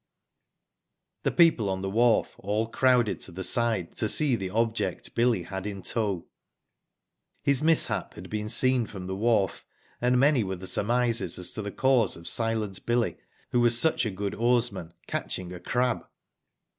The people on the wharf all crowded to the side to see the object Billy had in tow. His mishap had been seen from the wharf, and many were the surmises as to the cause of *' Silent Billy," who was such a good oarsman, catching a crab.